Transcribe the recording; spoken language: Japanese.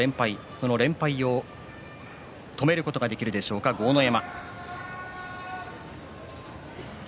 その連敗を止めることができるでしょうか、豪ノ山。